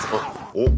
おっ。